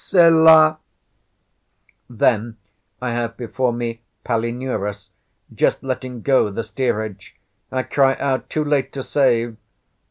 Selah." Then I have before me Palinurus, just letting go the steerage. I cry out too late to save.